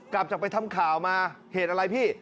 กลับจากไปทำข่าวมาเหตุอะไรพี่